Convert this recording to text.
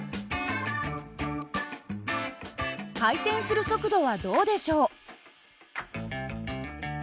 回転する速度はどうでしょう？